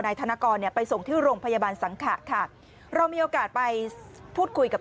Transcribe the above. ธนกรเนี่ยไปส่งที่โรงพยาบาลสังขะค่ะเรามีโอกาสไปพูดคุยกับ